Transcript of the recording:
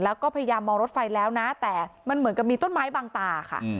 แล้วก็พยายามมองรถไฟแล้วนะแต่มันเหมือนกับมีต้นไม้บางตาค่ะ